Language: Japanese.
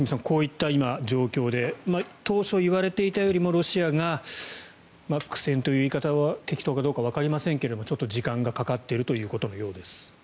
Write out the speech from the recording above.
こういった今、状況で当初いわれていたよりもロシアが苦戦という言い方が適当かどうかはわかりませんがちょっと時間がかかっているということのようです。